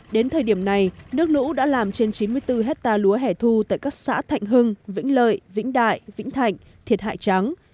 đến thời điểm này nước lũ đã làm trên chín mươi bốn hectare lúa hẻ thu tại các xã thạnh hưng vĩnh lợi vĩnh đại vĩnh thạnh thiệt hại trắng